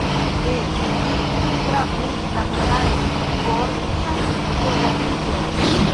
Nu, ni kunfrapu la pokalojn por nia konatiĝo!